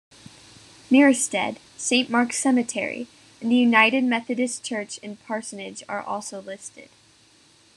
Merestead, Saint Mark's Cemetery, and the United Methodist Church and Parsonage are also listed.